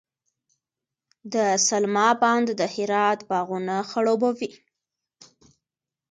د سلما بند د هرات باغونه خړوبوي.